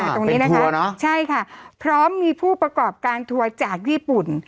ตรงนี้นะคะพร้อมมีผู้ประกอบการทั่วจากญี่ปุ่น